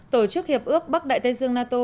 tổ chức hiệp ước bắc đại tây dương nato